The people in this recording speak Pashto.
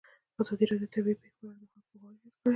ازادي راډیو د طبیعي پېښې په اړه د خلکو پوهاوی زیات کړی.